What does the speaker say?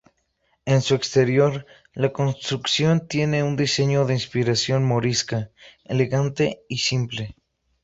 En su exterior, la construcción tiene un diseño de inspiración morisca, elegante y simple.